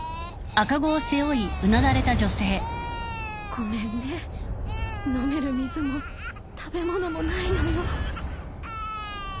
ごめんね飲める水も食べ物もないのよ。